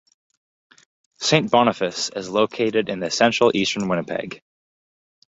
Saint Boniface is located in the central-eastern Winnipeg.